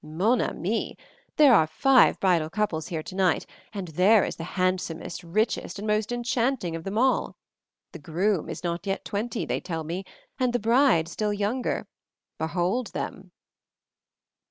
"Mon ami! There are five bridal couples here tonight, and there is the handsomest, richest, and most enchanting of them all. The groom is not yet twenty, they tell me, and the bride still younger. Behold them!"